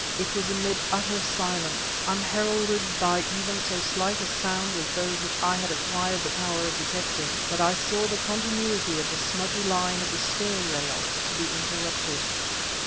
It was amid an utter silence, unheralded by even so slight a sound as those which I had acquired the power of detecting that I saw the continuity of the smudgy line of stair rail to be interrupted.